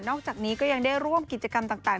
อกจากนี้ก็ยังได้ร่วมกิจกรรมต่าง